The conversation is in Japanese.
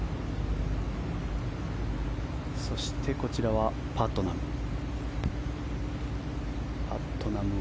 そして、こちらはパットナム。